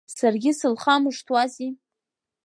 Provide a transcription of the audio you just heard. Саргьы сылхамышҭуази…